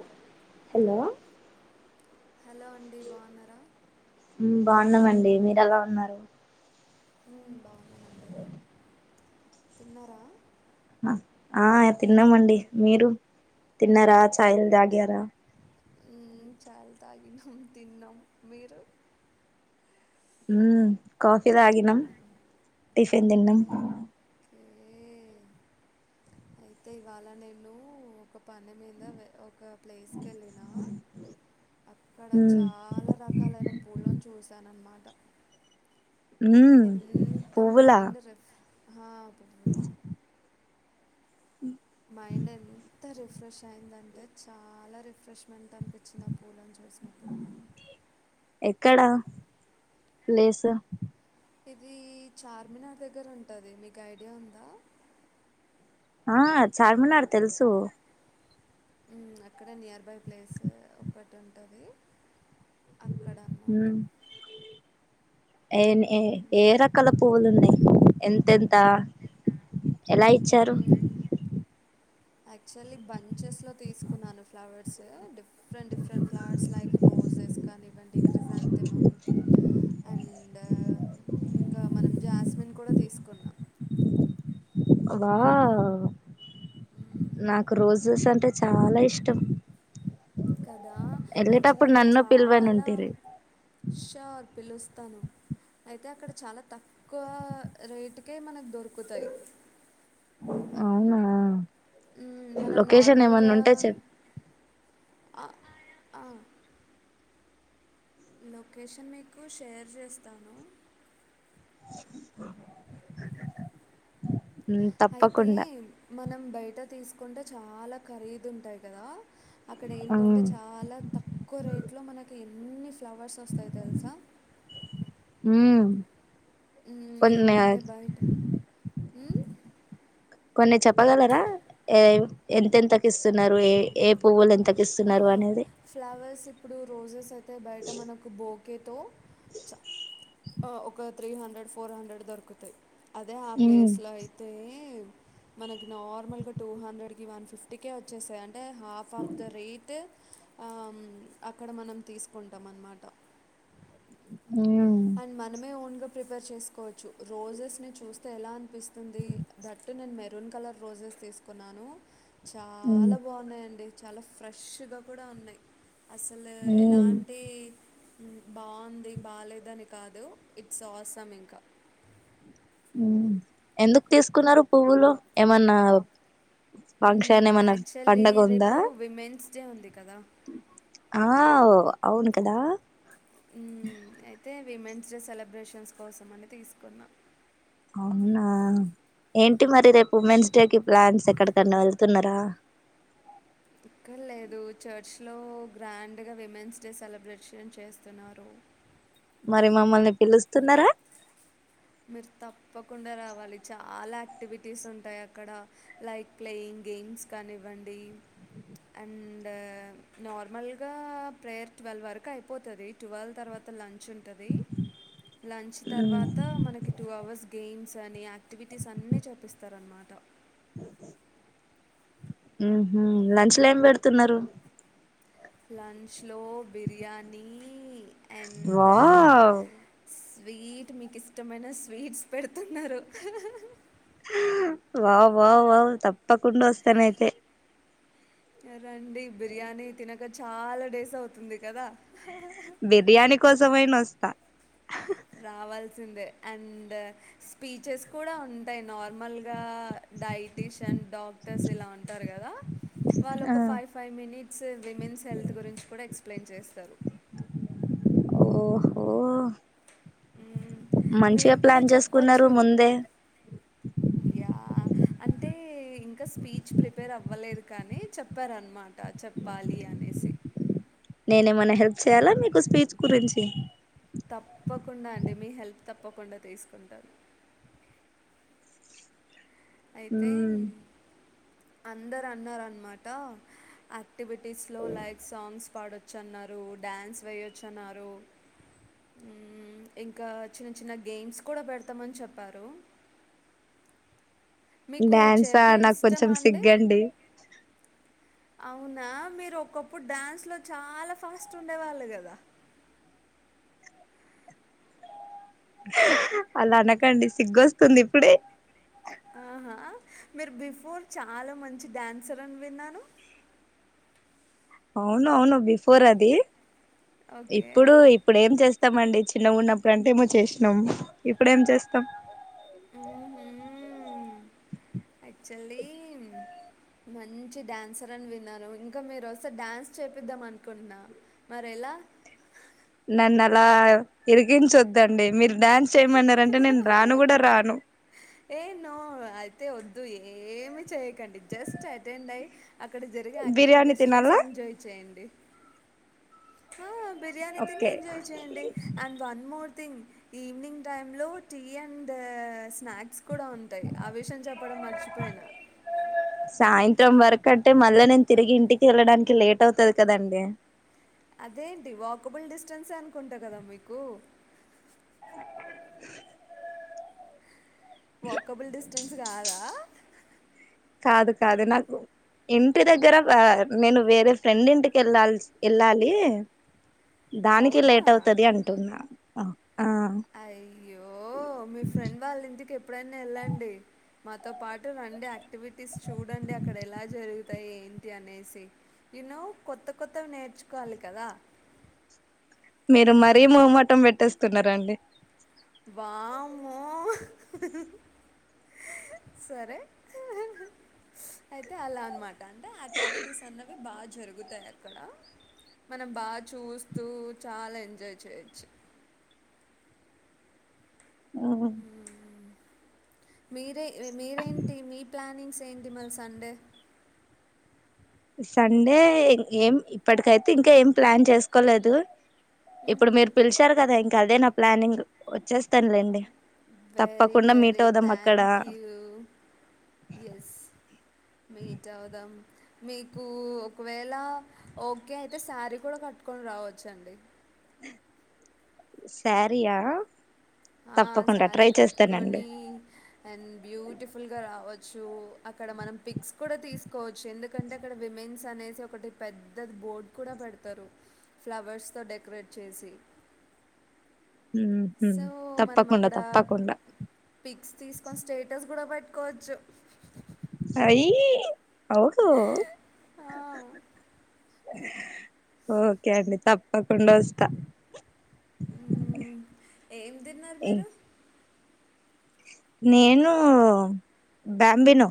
ఆ hello hello అండి బాగున్నారా ఉమ్ బాగున్నామండి మీరు ఎలా ఉన్నారు ఉమ్ బాగున్నాము అండి తిన్నారా ఆ తిన్నామండి మీరు తిన్నారా ఛాయలు తాగారా ఉమ్ చాయ్ తాగినం తిన్నాం మీరు కాఫీ తాగినం టిఫన్ తిన్నాం ే అయితే ఇవాళ నేను ఒక పని మీద ఒక ప్లేస్కి వెళ్ళినా అక్కడ ఉమ్ చాలా రకాలైన పూలని చూశాను అన్నమాట ఉమ్ ఎంత పువ్వులా మైండ్ రఫా పో మైండ్ ఎంత రిఫ్రెష్ అయిందంటే చాలా రిఫ్రెష్మెంట్ అనిపించింది ఆ పూలని చూసి ఎక్కడా ప్లేసు ఇది చార్మినార్ దగ్గర ఉంటుంది మీకు ఐడియా ఉందా ఆ చార్మినార్ తెలుసు అక్కడ నియర్ బై ప్లేస్ ఒకటి ఉంటుంది అక్కడన్నమాట ఉమ్ ఏ ఏ రకాల పువవులు ఉన్నాయి ఎంతెంత ఎలా ఇచ్చారు యాక్చువల్లీ బంచెస్ లో తీసుకున్నాను flowers diff different different flowers like roses కానివ్వండి క్రిజాంతిమమ్ అండ్ అండ్ ఇంకా మనం జాస్మిన్ కూడా తీసుకున్నాం వా నాకు రోజెస్ అంటే చాలా ఇష్టం కదా యాక్చువల్ వెళ్ళేటప్పుడు అక్కడ నన్ను పిలువని చాలా ఉంటిరి షార్ పిలుస్తాను అయితే అక్కడ చాలా తక్కువ రేటుకే మనకు దొరుకుంది కుకుతాయి అవునా ఉమ్ మనం లొకేషన్ ఏమన్నా నార్మల్గా ఉంటే చెప్ ఆ ఆ లొకేషన్ మీకు షేర్ చేస్తాను ఉ ఉ అయితే మనం బయట తీసుకుంటే చాలా ఖరీదు ఉంటాయి కదా అక్కడ ఏంటంటే చాలా తక్కువ రేట్ లో మనకి ఏ అన్ని ఫ్లవర్స్ వస్తాయి తెలుసా హ ఏంటంటే బయట కొన్ని చెప్పగలరా ఏ ఎంతెంతకు ఇస్తున్నారు ఏ పువ్వులు ఎంతకి ఇస్తున్నారు అనేది ఫ్లవర్స్ ఇప్పుడు రోజెస్ అయితే బయట మనకు బోకేతో చ ఒక త్రీ హండ్రెడ్ ఫోర్ హండ్రెడ్ దొరుకుతాయి అదే ఆ ఉమ్ ప్లేస్లో అయితే, మనకి నార్మల్ గా టూ హండ్రెడ్ కి, వన్ ఫిఫ్టీ కె వచ్చేస్తాయి. అంటే, ఆఫ్ ఆఫ్ ద రేట్ అక్కడ మనం తీసుకుంటాం అన్నమాట. ఉమ్ అండ్ మనమే ఓన్ గా ప్రిపేర్ చేసుకోవచ్చు రోజెస్ ని చూస్తే ఎలా అనిపిస్తుంది? దట్టు నేను మెరూన్ కలర్ రోజ తీసుకున్నాను చాలా బాగున్నాయిండి. చాలా ఫ్రెష్గా కూడ ఉన్నాయి. అసలు ఉమ్ ఎలాంటి, బాగుంది, బాలేదని, కాదు ఇట్స్ ఆసం ఇంక. మ్ ఎందుకు తీసుకున్నారు పువ్వులు? ఏమన్నా, ఫంక్షన్ ఏమన పండగ ఉందా! విజయ ఉంది కదా! ఆవ్ అవును కదా! మ్ అయితే, విమెన్స్ డే సెలబ్రేషన్స్ కోసం అని తీసుకున్నా. అవునా ఏంటి మరి రేపు ఉమెన్స్ డే కి ప్లాన్స్? ఎక్కడికన్నా వెళ్తున్నారా? [inaudible] ఎక్కడ్ లేదు. చర్చ్లో గ్రాండ్గా విమెన్స్ డే సెలబ్రేషన్ చేస్తున్నారు. మరి మమ్మల్ని పిలుస్తున్నారా? మీరు తప్పకుండా రావాలి. చాలా యాక్టివిటీస్ ఉంటాయి అక్కడ. లైక్ ప్లేయింగ్ గేమ్స్ కానివ్వండి, అండ్ నార్మల్గా ప్రేయర్ ట్వెల్వ్ వరకు అయిపోతది. ట్వెల్వ్ తర్వాత లన్ చ్ ఉంటది. లంచ్ మ్మ్ తర్వాత, అకి టూ అవర్స్ గేమ్స్ అని, యాక్టివిటీస్ అన్నీ చేపిస్తారన్నమాట. మ్హు లంచ్ లో ఏం పెడుతున్నారు? లంచ్ లో బిర్యానీ. అండ్ వావ్ స్వీట్ మీకిష్టమైన స్వీట్స్ పెడుతున్నారు. వావ్ వావ్ వావ్ తప్పకుండ వస్తానయితే. రండి బిర్యానీ తినక చాలా డేస్ అవుతుంది కదా! బిర్యానీ కోసమైన వస్తా. రావాల్సిందే. అండ్ స్పీచెస్ కూడ ఉంటాయి నార్మల్ రా డైటిషియన్ డాక్టర్స్ ఇలా ఉంటారు కదా! వాళ్ ఆ ఒక five five minutes, women's health గురించి కూడా ఎక్స్ప్లెయిన్ చేస్తారు. ఓహో మ్ మంచిగా మీరు కూడా ప్లాన్ చేసుకున్నారు చెప్పొచ్చు. ముందే యా. అంటే, ఇంకా స్పీచ్ ప్రిపేర్ అవ్వలేదు కానీ, చెప్పారనమాట చెప్పాలి అన్ అనేసి నేనేమన్నా హెల్ప్ చేయ్యాలా, మీకు స్పీచ్ గురించి. తప్పకుండా అండి. మీ హెల్ప్ తప్పకుండా తీసుకుంటాను. అయితే, ఉమ్ అందరన్నారు అన్నమాట. యాక్టివిటీస్లో లైక్ సాంగ్స్ పాడొచ్చన్నారు, డ్యాన్స్ వేయొచ్చన్నారు. ఇంకా చిన్న చిన్న గేమ్స్ కూడా పెడతామని చెప్పారు. [inaudible] మీకు చైర్ డ్యాన్సా ప్లే నాకు కొంచెం ఇష్టమా అండి సిగ్గండి. [unintelligible] అవునా, మీరు ఒకప్పుడు డ్యాన్స్ లో చాలా ఫాస్ట్ ఉండే వాళ్ళు కదా. [unintelligible] అలా అనకండి సిగ్గొస్తుంది ఇప్పుడే ఆహా మీరు బిఫోర్ చాలా మంచి డాన్సర్ అని విన్నాను. అవునవును బిఫోర్ అది ఓకే ఇప్పుడు ఇప్పుడేం చేస్తామండి. చిన్నగునప్పుడు అంటే ఏమో చేసినం ఇప్పుడేం చేస్తాం. మ్.... ఆక్చువలీ మంచి డ్యాన్సర్ అని విన్నాను. ఇంకా మీరొస్తే డ్యాన్స్ చేపిద్దాం అన్కున్న మరెలా [unintelligible] నన్నలా ఇరికించొద్దండి మీర్ డ్యాన్స్ చేయమన్నరాంటే నేన్ రాను గుడా రాను. ఏ నో అయితే వద్దు ఏమి చేయకండి జస్ట్ అటెండ్ అయి అక్కడ జరిగే బిర్యానీ యాక్టివిటీస్ చూసి తినాలా ఎంజాయ్ చేయండి. ఆ బిర్యానీ తిని ఓకే ఎంజాయ్ చేయండి. And one more thing evening టైమ్లో టీ అండ్ స్నాక్స్ కూడా ఉంటయి. ఆ విషయం చెప్పడం మర్చిపోయినా త్రం వర్క్ అంటే మళ్ళ నేన్ తిరిగి ఇంటికి ఎళ్ళడానికి లేట్ అవుతది కదండి. అదేంటి వాకబుల్ డిస్టెన్సే అనుకుంటా కదా మీకు [unintelligible] వాకబుల్ డిస్టెన్స్ కాదా కాదు కాదు నాకు ఇంటి దగ్గర వా నేను వేరే ఫ్రెండ్ ఇంటికి ఎళ్ళల్సి ఎళ్ళాలి. దానికి అవునా లేట్ అవుతది అంటున్న. అయ్యో మీ ఫ్రెండ్ వాళ్ళింటికి ఎప్పుడైనా ఎళ్ళండి. మాతో పాటు రండి యాక్టివిటీస్ చూడండి అక్కడ ఎలా జరుగుతాయి ఏం టి అనేసి యూ నో కొత్త కొత్తవి నేర్చుకోవాలి కదా మీరు మరీ మొహమాటం పెట్టేస్తున్నరండి. వామ్మో సరే అయితే అలా అన్మా ట అంటే యాక్టివిటీస్ అన్నవి బాగా జరుగుతాయి అక్కడ మనం బా చూస్తూ చాలా ఎంజాయ్ చేయచ్చు. ఆమన్ మీరే మీరేంటి మీ ప్లానింగ్స్ ఏంటి మల్ సండే సండే ఏం ఇప్పట్కైతే ఇంకా ఏం ప్లాన్ చేస్కోలేదు. ఇప్పుడు హుహు. మీరు పిలిచార్ కదా ఇంకా అదే నా ప్లానింగ్ వచ్చేస్తాన్లేండి. Very very thank you yes meet అవుదాం మీకు ఒకవేళ ఓకే అయితే సారీ కూడా కట్టుకొన్ రావచ్చండి. [unintelligible] సారీయా ఆ సారీ కట్టుకొని అండ్ బ్యూటిఫుల్గా రావ చూ అక్కడ మనం పిక్స్ కూడా తీస్కోవచ్చు. ఎందుకంటే అక్కడ విమెన్స్ అనేసి ఒకటి పెద్ద బోర్డ్ కూడా పెడ్తరు ఫ్లవర్స్తో డెకరేట్ చేసి మ్మ్హ్మ్. సో మనం తప్పకుండా అక్కడ తప్పకుండా పిక్స్ తీస్కొని స్టేటస్ కూడా పెట్ కకోవచ్చు. ఏయ్ అవుహో ఆ! ఓకే అండి తప్పకుండ వస్త. మ్ ఏం తిన్నారు ఇ- మీరు నేను బ్యాంబినో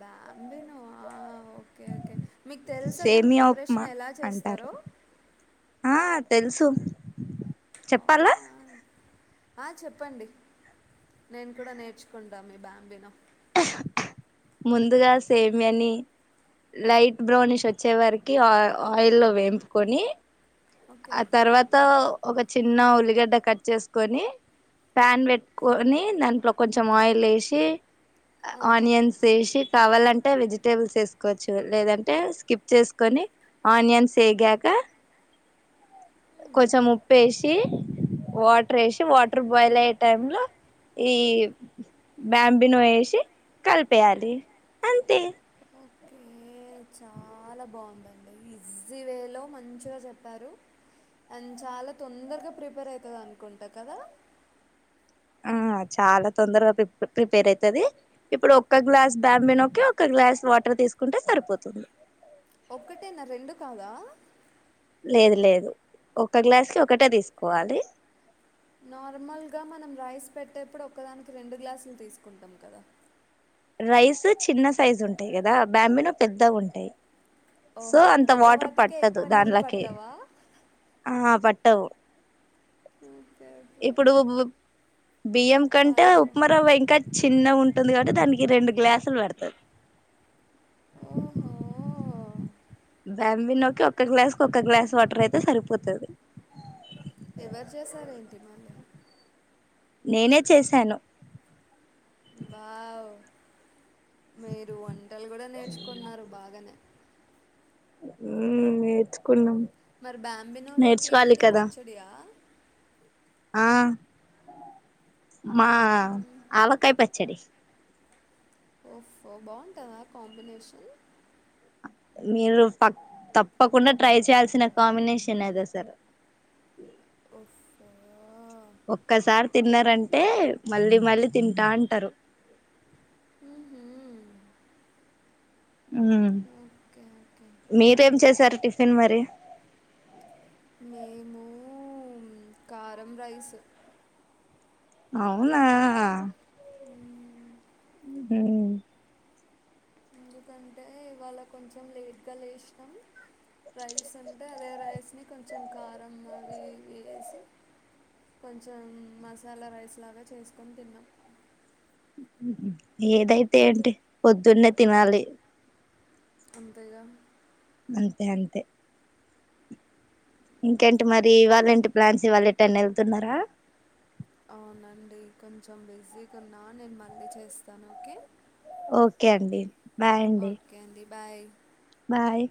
బ్యాంబినో ఆ ఓకే ఓకే మీక్ తెల్సా దాన్ సేమియా ఉప్మా ప్రిపరేషన్ ఎలా చేస్తరో తెల్సు చెప్పాలా అవునా? ఆ చెప్పండి నేన్ కూడా నేర్చుకుంటా మీ బాంబినో ముందుగా సేమ్యని లైట్ బ్రౌనిష్ వచ్చే వారికి ఆ ఆయిల్ లో వేంపుకొని ఓకే ఆ తర్వాత ఒక చిన్న ఉల్లిగడ్డ కట్ చెసుకొని ప్యాన్ పెట్కొని దాంట్లో కొంచెం ఆయిల్ ఎషి ఆహా ఆనియన్స్ వేషి కావాలం వెజిటేబుల్స్ వేసుకోవచ్చు లేదంటే స్కిప్ చేసుకొని ఆనియన్స్ ఎగాక కొంచెం ఉప్పు ఎషి వాటర్ ఎషి వాటర్ బాయిల్ అయ్యే టైమ్ లో ఈ బ్యాంబి నో ఎషి కలిపేయాలి అంతే ఒకే చాలా బాగుందండి ఈజీ వేలో మంచిగా చెప్పారు. అండ్ చాలా తొందరగా ప్రిపేర్ అయితది అనుకుంట కదా ఆ చాలా తొందరగా ప్రి ప్రిపేర్ అయితది ఇప్పుడు ఒక్క గ్లాస్ బ్యాబినో ఒక గ్లాస్ వాటర్ తీసుకుంటే సరిపోతుంది. ఒక్కటేనా రెండు కాదా లేదు లేదు ఒక గ్లాస్కి ఒకటే తీసుకోవాలి. నార్మల్గా మనం రైస్ పెట్టేప్పుడు ఒకదానికి రెండు గ్లాసులు తీసుకుంటం కదా రైస్ చిన్న సైజు ఉంటయి కదా బ్యాంబినో పెద్ద గుంటయి సో ఓహో అంత వాటర్ పెద్దవాటికే పట్టదు ఎక్కువ నీళ్ళు దాట్లకి పట్టవా ఆ ప పట్టవు హ [inaudible] ఇప్పుడు బియ్యం కంటే చాలా ఉప్మా బాగుంది రవ్వ ఇంక చిన్న ఉం ఉంటుంది కాబట్టి దానికి రెండు గ్లాసులు పడతది ఓహో బ్యాంబినోకి ఒక్క గ్లాస్ కు ఒక్క గ్లాస్ వాటర్ అయితే సరిపోతది ఎవరు చేశారేంటి మళ్ళీ నేనే చేశాను. వావ్ మీరు వంటలు కుడ నేర్చుకున్నారు బాగానే హ్మ్ నేర్చుకున్నం మరి బ్యాంబినో లోకి ఏంటి పచ్చడియా ఆ మా ఆవకాయ పచ్చడి ఒఫో బాగుంటుందా కాంబినేషన్ మీరు త తప్పకుండా ట్రై చేయాల్సిన కాంబినేషన్ అది అసలు ఓ ఫో ఒక్కసారి తిన్నారంటే మళ్ళీ మళ్ళీ తింటా అంటరు హు హ్మ్ హ్మ్ ఓకే ఓకే మీరేం చేశారు టిఫిన్ మరి మేము గరమ్ రైసు అవునా మ్మ్. హ్మ్ ఎందుకంటే ఇవాళ కొంచెం లేట్గా లేచినం రైస్ ఉంటే అదే రైస్ని కొంచం కారం అవి ఇవి ఎసి కొంచం మసాలా రైస్ లాగా చేసుకొని తిన్నం ఏదైతే ఏంటి పొద్దున్నే తినాలి. అంతేగా అంతే అంతే ఇంకేంటి మరి ఓ ఇవలేంటి ప్లాన్స్ ఇవాళ ఎటైనా వెళ్తున్నరా అవునండి కొంచం బిజీగా ఉన్నా నేను మళ్ళీ చేస్తాను ఓకే ఓకే అండి బాయ్ అండి ఓకే అండి బాయ్ బాయ్